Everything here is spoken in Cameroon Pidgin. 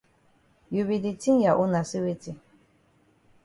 You be di tink ya own na say weti?